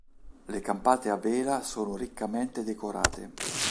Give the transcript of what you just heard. Le campate a vela sono riccamente decorate.